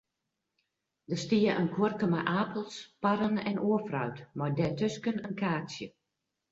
Der stie in kuorke mei apels, parren en oar fruit, mei dêrtusken in kaartsje.